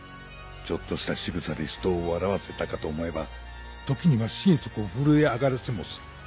ちょっとしたしぐさでひとを笑わせたかと思えば時には心底震え上がらせもする。